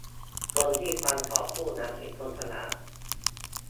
คนที่ฟังก่อนพูดนั้นเป็นคนฉลาด